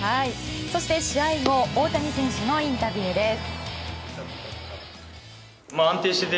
そして、試合後の大谷選手のインタビューです。